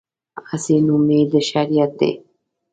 هسې نوم یې د شریعت دی.